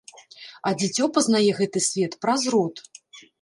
А дзіцё пазнае гэты свет праз рот.